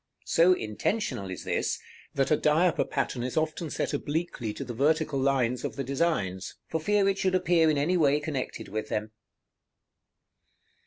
So intentional is this, that a diaper pattern is often set obliquely to the vertical lines of the designs, for fear it should appear in any way connected with them.